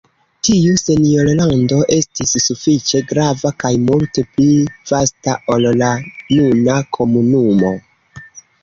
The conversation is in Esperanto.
Tiu senjorlando estis sufiĉe grava kaj multe pli vasta ol la nuna komunumo.